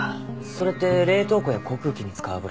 それって冷凍庫や航空機に使う油？